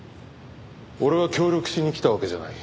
俺は協力しに来たわけじゃない。